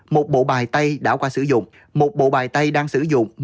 một bộ bài tay đã qua sử dụng một bộ bài tay đang sử dụng